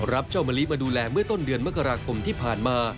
รับเจ้ามะลิมาดูแลเมื่อต้นเดือนมกราคมที่ผ่านมา